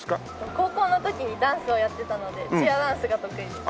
高校の時にダンスをやっていたのでチアダンスが得意です。